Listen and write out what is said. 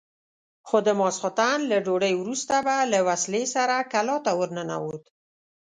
خو د ماخستن له ډوډۍ وروسته به له وسلې سره کلا ته ورننوت.